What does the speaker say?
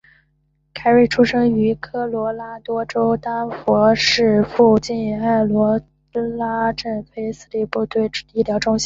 凯瑞出生于科罗拉多州丹佛市附近爱罗拉镇的菲兹蒙斯部队医疗中心。